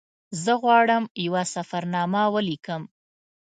زه غواړم یوه سفرنامه ولیکم.